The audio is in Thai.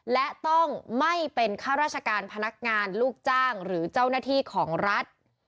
และต้องไม่เป็นข้าราชการพนักงานลูกจ้างหรือเจ้าหน้าที่ของรัฐ